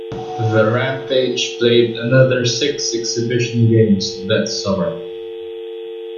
The Rampage played another six exhibition games that summer.